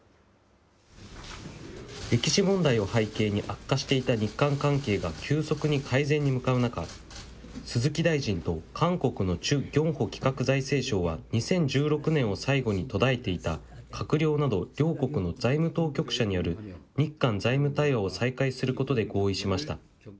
歴史問題を背景に悪化していた日韓関係が急速に改善に向かう中、鈴木大臣と韓国のチュ・ギョンホ企画財務相が２０１６年を最後に途絶えていた閣僚など両国の財務当局者による日韓財務対話を再開することで合意しました。